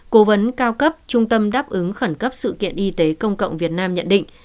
cố vấn cao cấp trung tâm đáp ứng khẩn cấp sự kiện y tế công cộng việt nam nhận định